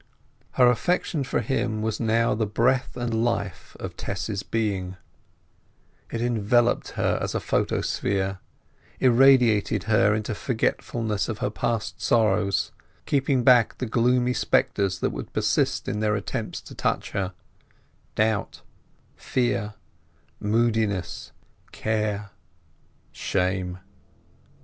Her affection for him was now the breath and life of Tess's being; it enveloped her as a photosphere, irradiated her into forgetfulness of her past sorrows, keeping back the gloomy spectres that would persist in their attempts to touch her—doubt, fear, moodiness, care, shame.